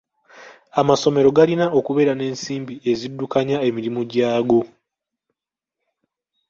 Amasomero galina okubeera n'ensimbi eziddukanya emirimu gyago.